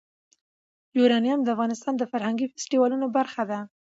یورانیم د افغانستان د فرهنګي فستیوالونو برخه ده.